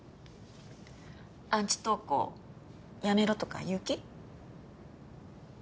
アンチ投稿やめろとか言う気？